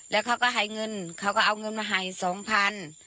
แล้วเขาก็ให้เงินเขาก็เอาเงินมาให้สองพัน